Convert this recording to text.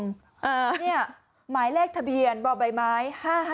นี่หมายเลขทะเบียนบ่อใบไม้๕๕